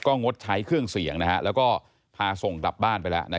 ก็งดใช้เครื่องเสียงแล้วก็พาส่งกลับบ้านไปแล้ว